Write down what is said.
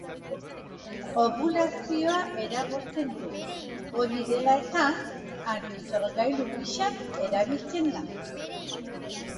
Obulazioa eragozten du; hori dela eta, antisorgailu gisa erabiltzen da.